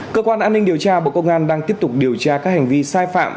cơ quan an ninh điều tra bộ công an đang tiếp tục điều tra các hành vi sai phạm